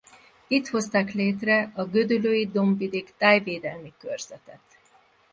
Itt hozták létre a Gödöllői Dombvidék Tájvédelmi Körzetet.